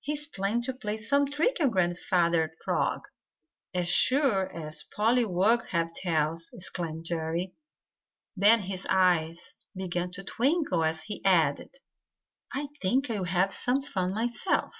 He is planning to play some trick on Grandfather Frog as sure as pollywogs have tails!" exclaimed Jerry. Then his eyes began to twinkle as he added: "I think I'll have some fun myself."